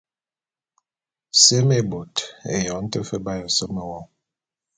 Seme bot, eyong te fe b’aye wo seme.